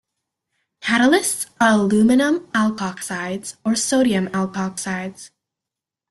Catalysts are aluminium alkoxides or sodium alkoxides.